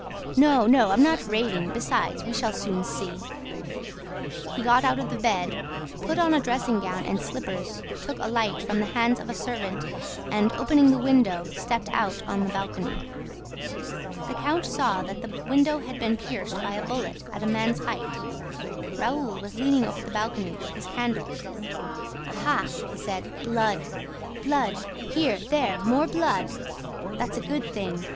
"No, no, I'm not raving... Besides, we shall soon see ..." He got out of bed, put on a dressing gown and slippers, took a light from the hands of a servant and, opening the window, stepped out on the balcony. The count saw that the window had been pierced by a bullet at a man's height. Raoul was leaning over the balcony with his candle: "Aha!" he said. "Blood! ... Blood! ... Here, there, more blood! ... That's a good thing!